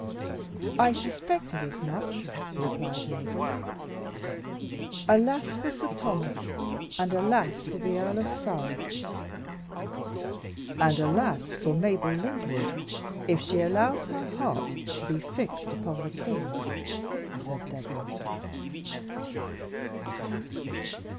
"I suspected as much," replied Mabel. "Alas! for Sir Thomas; and alas! for the Earl of Surrey." "And alas! for Mabel Lyndwood, if she allows her heart to be fixed upon the king," said Deborah.